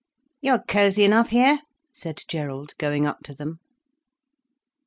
"You are cosy enough here," said Gerald, going up to them.